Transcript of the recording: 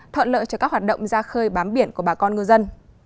thuận lợi cho các hoạt động ra khơi bám biển của bà con ngư dân